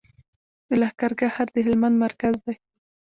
د لښکرګاه ښار د هلمند مرکز دی